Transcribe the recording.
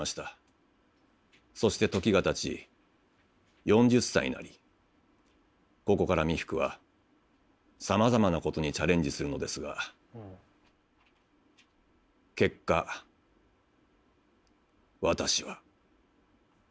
そして時がたち４０歳になりここから三福はさまざまなことにチャレンジするのですが結果私は。